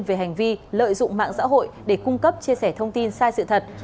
về hành vi lợi dụng mạng xã hội để cung cấp chia sẻ thông tin sai sự thật